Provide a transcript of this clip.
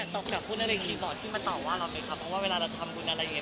แต่ต้องการพูดอะไรอย่างงี้บอกที่มาต่อว่าเราไม่ครับเพราะว่าเวลาเราทำกรุณอะไรอย่างเงี้ย